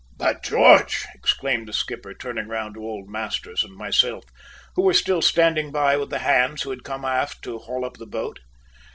"By George!" exclaimed the skipper, turning round to old Masters and myself, who were still standing by with the hands who had come aft to haul up the boat.